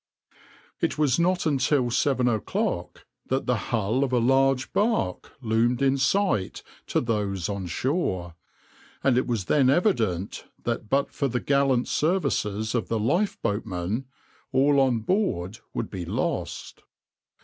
\par \vs {\noindent} It was not until seven o'clock that the hull of a large barque loomed in sight to those on shore, and it was then evident that but for the gallant services of the lifeboatmen all on board would be lost.